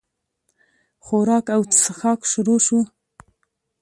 خوراک او چښاک شروع شو.